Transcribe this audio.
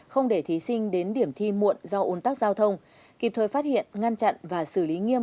không để thí sinh đến điểm thi muộn do ồn tắc giao thông kịp thời phát hiện ngăn chặn và xử lý nghiêm